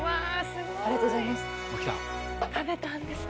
ありがとうございます。